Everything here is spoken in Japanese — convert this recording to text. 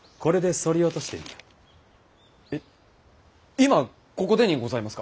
今ここでにございますか？